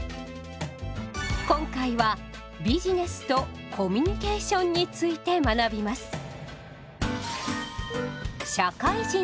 今回は「ビジネスとコミュニケーション」について学びます。